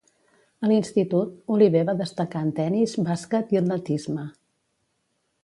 A l'institut, Oliver va destacar en tenis, bàsquet i atletisme.